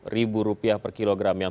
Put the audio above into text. ribu rupiah per kilogram yang